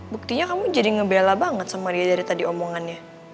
buktinya kamu jadi ngebela banget sama dia dari tadi omongannya